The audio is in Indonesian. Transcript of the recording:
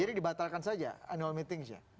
jadi dibatalkan saja annual meetings ya